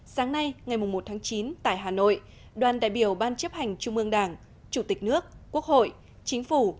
sáng nay ngày một tháng chín tại hà nội đoàn đại biểu ban chấp hành trung ương đảng chủ tịch nước quốc hội chính phủ